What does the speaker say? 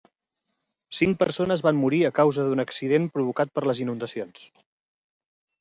Cinc persones van morir a causa d'un accident provocat per les inundacions.